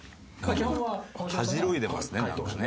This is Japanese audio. たじろいでますねなんかね。